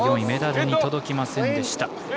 メダルには届きませんでした。